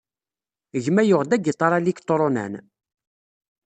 Gma yuɣ-d agiṭar aliktrunan.